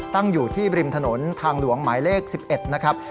ตั้งอยู่ที่ริมถนนทางหลวงหมายเลข๑๑นะครับ